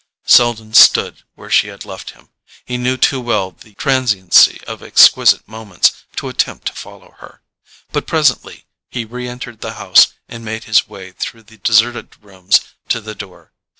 Selden stood where she had left him. He knew too well the transiency of exquisite moments to attempt to follow her; but presently he reentered the house and made his way through the deserted rooms to the door.